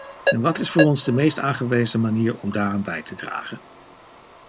En wat is voor ons de meest aangewezen manier om daaraan bij te dragen?